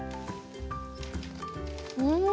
うん。